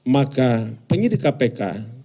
maka penyidik kpk